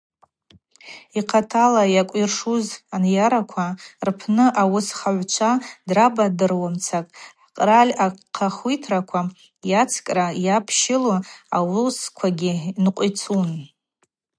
Йхъатала йакӏвйыршуз анйараква рпны ауысхагӏвчва драбадыруамцара хӏкъраль ахъахвитра йацкӏра йапщылу ауысквагьи нкъвицун.